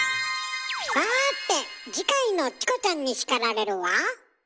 さて次回の「チコちゃんに叱られる」は？